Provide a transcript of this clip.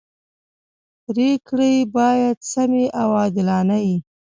پریکړي باید سمي او عادلانه يي.